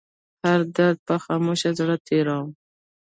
هر درد په خاموشه زړه تيروم